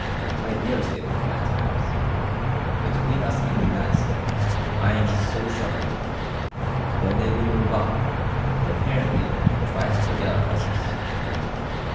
Quite near us they would come at times, between us and the nest, eying us so sharply. Then they would move off, and apparently try to forget our presence.